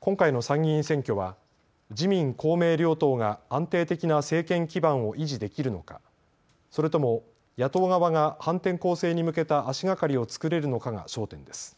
今回の参議院選挙は自民公明両党が安定的な政権基盤を維持できるのか、それとも野党側が反転攻勢に向けた足がかりを作れるのかが焦点です。